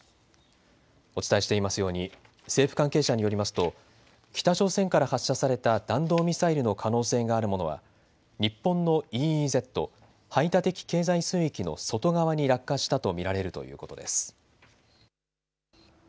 お伝えしていますように政府関係者によりますと北朝鮮から発射された弾道ミサイルの可能性があるものは日本のＥＥＺ・排他的経済水域の外側に落下したと見られるということです。